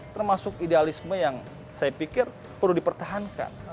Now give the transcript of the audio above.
termasuk idealisme yang saya pikir perlu dipertahankan